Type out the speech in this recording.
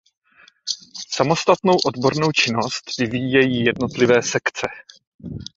Samostatnou odbornou činnost vyvíjejí jednotlivé sekce.